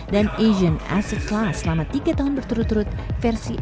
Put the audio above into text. dan asian asset class selama tiga tahun berturut turut versi a